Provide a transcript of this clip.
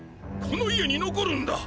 この家にのこるんだ！